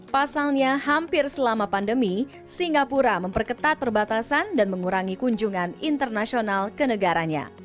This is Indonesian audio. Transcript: pasalnya hampir selama pandemi singapura memperketat perbatasan dan mengurangi kunjungan internasional ke negaranya